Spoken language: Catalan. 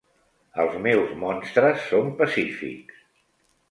Els meus monstres són pacífics.